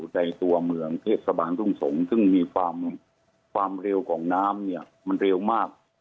ในตัวเมืองเทศบาลทุ่งสงศ์ซึ่งมีความความเร็วของน้ำเนี่ยมันเร็วมาก